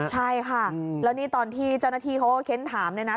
ใช่ค่ะแล้วนี่ตอนที่เจ้าหน้าที่เขาก็เค้นถามเนี่ยนะ